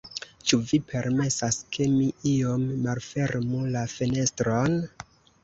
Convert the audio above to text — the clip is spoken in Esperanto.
Ĉu vi permesas, ke mi iom malfermu la fenestron?